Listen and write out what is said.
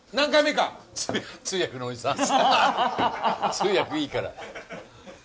通訳いいから。